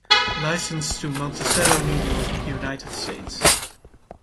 Licensed to Monticello, New York, United States.